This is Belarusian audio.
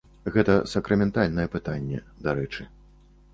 Гэта сакраментальнае пытанне, дарэчы.